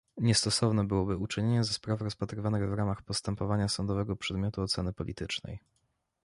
Niestosowne byłoby uczynienie ze spraw rozpatrywanych w ramach postępowania sądowego przedmiotu oceny politycznej